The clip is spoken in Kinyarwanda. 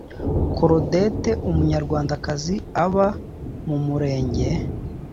claudette umunyarwandakazi uba mu murenge